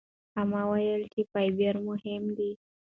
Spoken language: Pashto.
اما ویلي چې فایبر مهم دی.